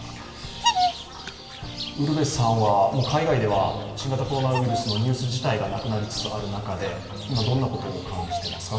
ウルヴェさんは海外では新型コロナウイルスのニュース自体がなくなりつつある中で、どんなことを感じてますか